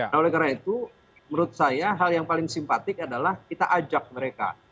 nah oleh karena itu menurut saya hal yang paling simpatik adalah kita ajak mereka